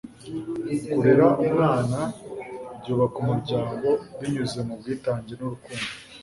kurera umwana byubaka umuryango binyuze mubwitange nurukundo